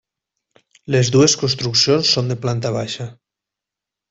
Les dues construccions són de planta baixa.